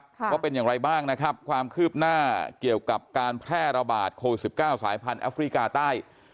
ว่าเป็นอย่างไรบ้างนะครับความคืบหน้าเกี่ยวกับการแพร่ระบาดโควิด๑๙สายพันธแอฟริกาใต้